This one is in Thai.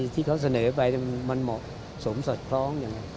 ที่เค้าสนัยไปแล้วมันเหมาะสมสตรคล้อง